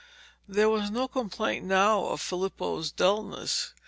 There was no complaint now of Filippo's dullness.